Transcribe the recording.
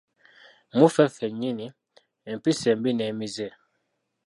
Mu ffe ffennyini, empisa embi n'emize.